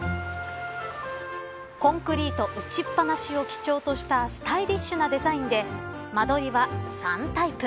コンクリート打ちっ放しを基調としたスタイリッシュなデザインで間取りは３タイプ。